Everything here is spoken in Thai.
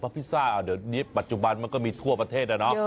เพราะพิซซ่าในปัจจุบันก็มีทั่วประเทศ